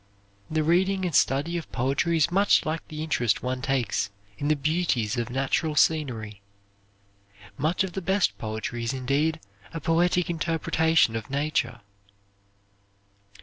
The reading and study of poetry is much like the interest one takes in the beauties of natural scenery. Much of the best poetry is indeed a poetic interpretation of nature.